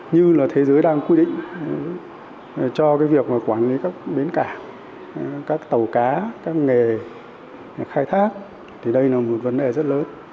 như là thế giới đang quy định cho cái việc mà quản lý các biến cả các tàu cá các nghề khai thác thì đây là một vấn đề rất lớn